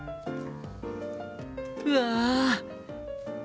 うわ！